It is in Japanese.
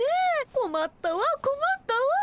こまったわこまったわ。